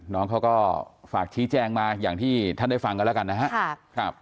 น้องเขาก็ฝากชี้แจงมาอย่างที่ท่านได้ฟังกันแล้วกันนะครับ